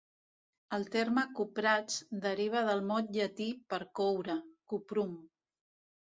El terme cuprats deriva del mot llatí per coure, "cuprum".